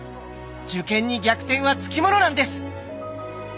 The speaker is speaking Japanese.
受験に逆転はつきものなんです！